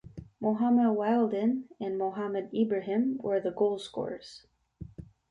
Mohamed Wildhan and Mohamed Ibrahim were the goal scorers.